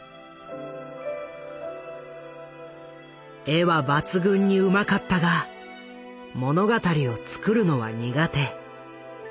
絵は抜群にうまかったが物語を作るのは苦手。